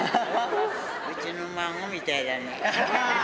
うちの孫みたいだね。